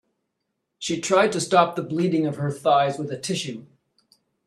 She tried to stop the bleeding of her thighs with a tissue.